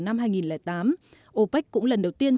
năm hai nghìn tám opec cũng lần đầu tiên